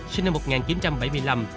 sinh năm một nghìn chín trăm bảy mươi năm